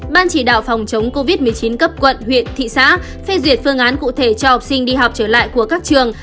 ban chỉ đạo phòng chống covid một mươi chín cấp quận huyện thị xã phê duyệt phương án cụ thể cho học sinh đi học trở lại của các trường